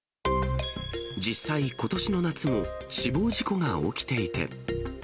実際、ことしの夏も死亡事故が起きていて。